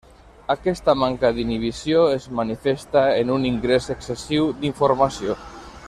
Aquesta manca d'inhibició es manifesta en un ingrés excessiu d'informació.